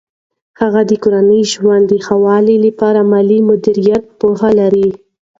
هغې د کورني ژوند د ښه والي لپاره د مالي مدیریت پوهه لري.